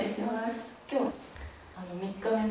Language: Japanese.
今日３日目の。